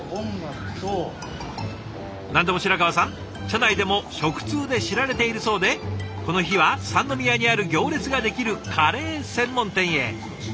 何でも白川さん社内でも食通で知られているそうでこの日は三宮にある行列が出来るカレー専門店へ。